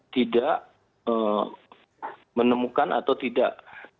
tidak menemukan atau tidak